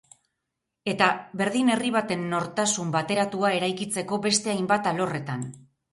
Eta berdin herri baten nortasun bateratua eraikitzeko beste hainbat alorretan.